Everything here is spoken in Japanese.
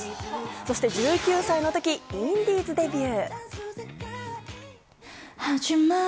そして１９歳の時、インディーズデビュー。